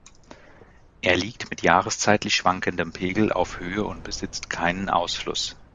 Er liegt mit jahreszeitlich schwankendem Pegel auf Höhe und besitzt keinen Ausfluss.